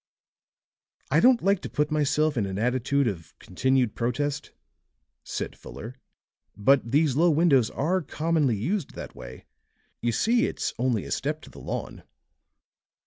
"I don't like to put myself in an attitude of continued protest," said Fuller, "but these low windows are commonly used that way. You see, it's only a step to the lawn."